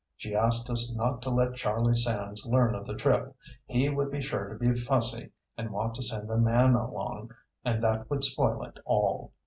She asked us not to let Charlie Sands learn of the trip. He would be sure to be fussy and want to send a man along, and that would spoil it all.